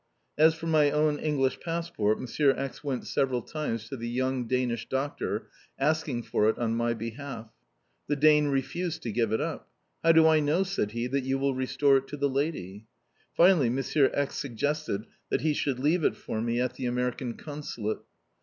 As for my own English passport, Monsieur X. went several times to the young Danish Doctor asking for it on my behalf. The Dane refused to give it up. "How do I know," said he, "that you will restore it to the lady?" [Illustration: The Danish Doctor's note.] Finally Monsieur X. suggested that he should leave it for me at the American Consulate.